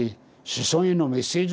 「子孫へのメッセージ」。